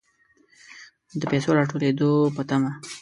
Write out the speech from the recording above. د پیسو راتوېدلو په طمع.